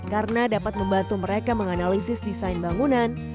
karena dapat membantu mereka menganalisis desain bangunan